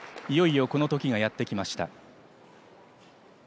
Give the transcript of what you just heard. いよいよこの時がやってきました。